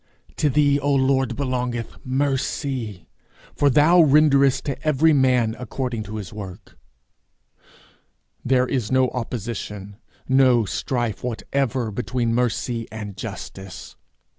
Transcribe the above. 'To thee, O Lord, belongeth mercy, for thou renderest to every man according to his work.' There is no opposition, no strife whatever, between mercy and justice.